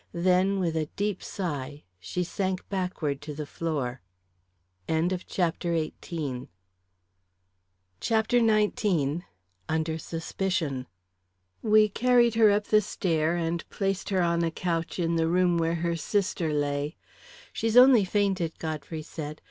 Then, with a deep sigh, she sank backward to the floor. CHAPTER XIX Under Suspicion We carried her up the stair and placed her on a couch in the room where her sister lay. "She's only fainted," Godfrey said.